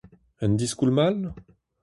Un diskoulm all ?